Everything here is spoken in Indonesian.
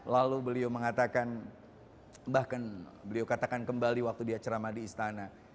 lalu beliau mengatakan bahkan beliau katakan kembali waktu dia ceramah di istana